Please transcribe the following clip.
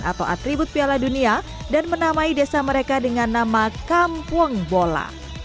atau atribut piala dunia dan menamai desa mereka dengan nama kampung bola